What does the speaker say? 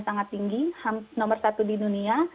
sangat tinggi nomor satu di dunia